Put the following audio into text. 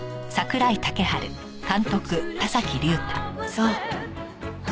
そう。